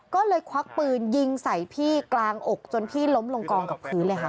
ก็เลยควักปืนยิงใส่พี่กลางอกจนพี่ล้มลงกองกับพื้นเลยค่ะ